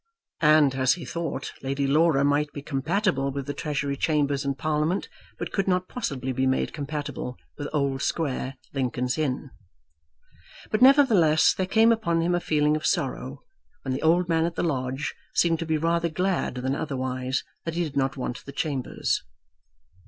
And, as he thought, Lady Laura might be compatible with the Treasury chambers and Parliament, but could not possibly be made compatible with Old Square, Lincoln's Inn. But nevertheless there came upon him a feeling of sorrow when the old man at the lodge seemed to be rather glad than otherwise that he did not want the chambers.